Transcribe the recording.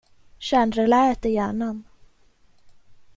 Kärnreläet är hjärnan.